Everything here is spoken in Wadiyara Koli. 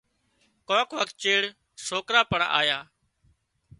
ڪانڪ وکت چيڙ سوڪرا پڻ آيا